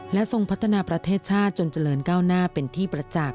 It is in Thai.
และทรงพัฒนาประเทศชาติจนเจริญก้าวหน้าเป็นที่ประจักษ์